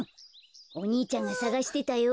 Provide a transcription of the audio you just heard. お兄ちゃんがさがしてたよ。